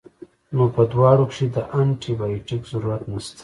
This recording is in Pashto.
نو پۀ دواړو کښې د انټي بائيوټک ضرورت نشته